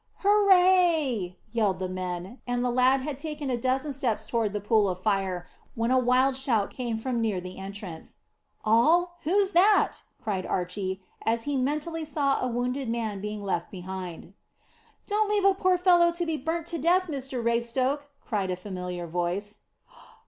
"Hurrah!" yelled the men, and the lad had taken a dozen steps toward the pool of fire, when a wild shout came from near the entrance. "All! Who's that?" cried Archy, as he mentally saw a wounded man being left behind. "Don't leave a poor fellow to be burnt to death, Mr Raystoke," cried a familiar voice.